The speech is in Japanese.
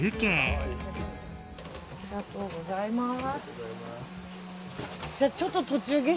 ありがとうございます。